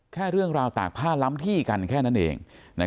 แค่เรื่องราวตากผ้าล้ำที่กันแค่นั้นเอง